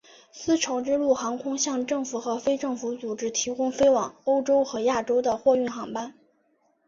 丝绸之路航空向政府和非政府组织提供飞往欧洲和亚洲的货运航班。